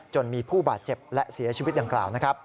จนมีผู้บาดเจ็บและเสียชีวิตดังกล่าว